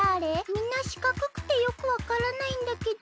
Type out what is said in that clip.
みんなしかくくてよくわからないんだけど？